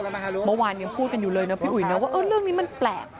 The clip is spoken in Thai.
เมื่อวานยังพูดกันอยู่เลยนะพี่อุ๋ยนะว่าเรื่องนี้มันแปลก